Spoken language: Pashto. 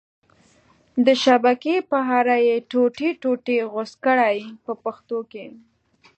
د شبکې په اره یې ټوټې ټوټې غوڅ کړئ په پښتو کې.